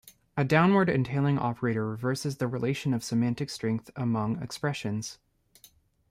A downward entailing operator reverses the relation of "semantic strength" among expressions.